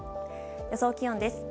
予想気温です。